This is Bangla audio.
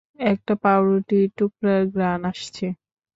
একটা পাউরুটির টুকরার ঘ্রাণ আসছে।